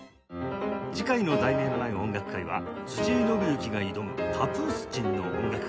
次回の『題名のない音楽会』は辻井伸行が挑むカプースチンの音楽会